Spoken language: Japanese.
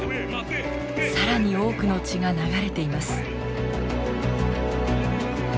更に多くの血が流れています。